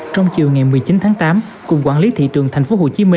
trong chiều ngày một mươi chín tháng tám cục quản lý thị trường tp hcm